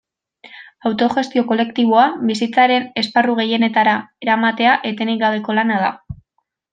Autogestio kolektiboa bizitzaren esparru gehienetara eramatea etenik gabeko lana da.